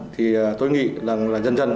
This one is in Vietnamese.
thì tôi nghĩ là dần dần